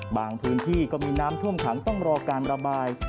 พื้นที่ก็มีน้ำท่วมขังต้องรอการระบาย